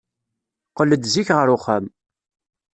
Qqel-d zik ɣer uxxam.